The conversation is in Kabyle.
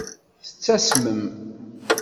Tettasmem.